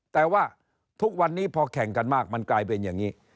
แต่ว่าทุกวันนี้พอแข่งกันมากมันกลายเป็นอย่างนี้